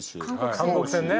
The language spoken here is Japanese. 韓国戦ね。